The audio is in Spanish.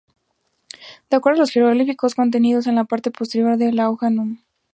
De acuerdo a los jeroglíficos contenidos en la parte posterior de la hoja núm.